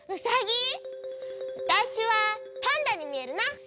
わたしはパンダにみえるな！